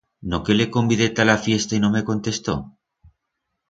No que le convidé ta la fiesta y no me contestó!